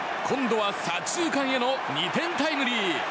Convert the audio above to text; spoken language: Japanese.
今度は左中間への２点タイムリー。